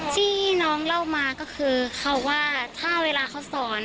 ที่น้องเล่ามาก็คือเขาว่าถ้าเวลาเขาสอน